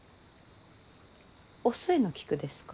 お寿恵の菊ですか？